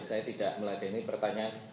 saya tidak meladeni pertanyaan